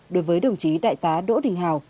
đối với đồng chí đại tá đỗ đình hào